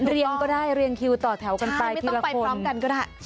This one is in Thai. ก็ได้เรียงคิวต่อแถวกันได้ไม่ต้องไปพร้อมกันก็ได้